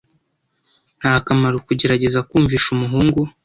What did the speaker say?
Nta kamaro kugerageza kumvisha umuhungu.